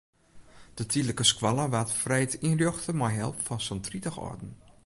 De tydlike skoalle waard freed ynrjochte mei help fan sa'n tritich âlden.